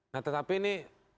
nah tetapi ini